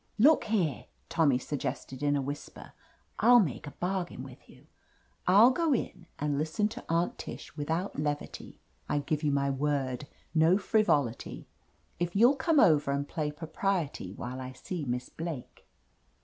"Look here," Tommy suggested in a whis per, "I'll make a bargain with you. I'll go in and listen to Aunt Tish without levity — ^I give you my word, no frivolity — if you'll come over and play propriety while I see Miss Blake."